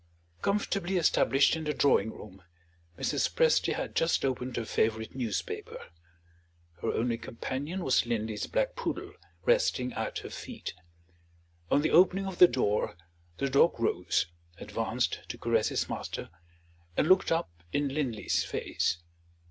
Comfortably established in the drawing room, Mrs. Presty had just opened her favorite newspaper. Her only companion was Linley's black poodle, resting at her feet. On the opening of the door, the dog rose advanced to caress his master and looked up in Linley's face.